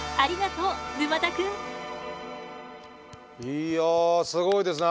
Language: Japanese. いやすごいですね。